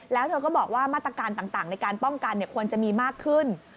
แล้วเธอก็บอกว่ามาตรการต่างในการป้องกันควรจะมีมากขึ้น